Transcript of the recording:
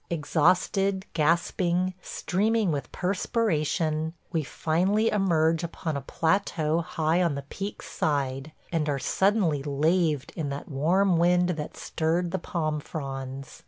Exhausted, gasping, streaming with perspiration, we finally emerge upon a plateau high on the peak's side and are suddenly laved in that warm wind that stirred the palm fronds.